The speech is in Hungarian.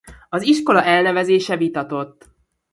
Az iskola elnevezése vitatott.